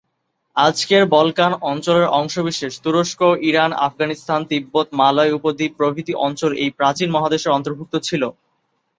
আজকের বলকান অঞ্চলের অংশবিশেষ, তুরস্ক, ইরান, আফগানিস্তান, তিব্বত, মালয় উপদ্বীপ, প্রভৃতি অঞ্চল এই প্রাচীন মহাদেশের অন্তর্ভুক্ত ছিল।